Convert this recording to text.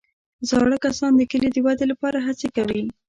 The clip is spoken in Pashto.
زاړه کسان د کلي د ودې لپاره هڅې کوي